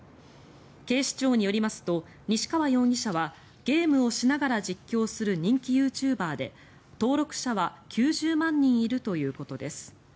警視庁によりますと西川容疑者はゲームをしながら実況する人気ユーチューバーで登録者は９０万人いるということです。